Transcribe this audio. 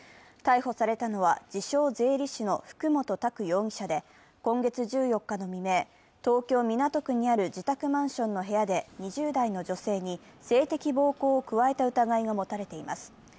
逮捕されたのは自称・税理士の福本琢容疑者で今月１４日の未明、東京・港区にある自宅マンションの部屋で２０代の女性に性的暴行を加えた疑いが持たれています。